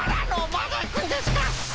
まだいくんですか？